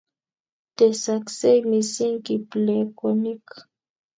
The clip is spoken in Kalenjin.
tesaksei mising kiplekonik